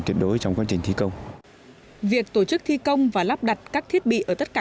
tuyệt đối trong quá trình thi công việc tổ chức thi công và lắp đặt các thiết bị ở tất cả